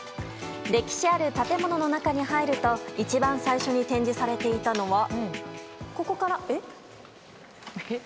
歴史ある建物の中に入ると一番最初に展示されていたのは。